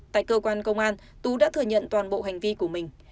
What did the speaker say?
tại cơ quan công an tú đã thừa nhận toàn bộ hành vi của mình